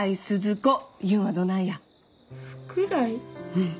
うん。